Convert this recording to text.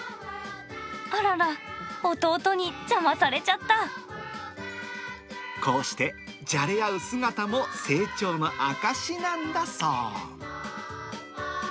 あらら、弟に邪魔されちゃっこうして、じゃれ合う姿も成長の証しなんだそう。